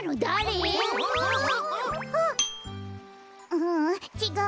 ううんちがう。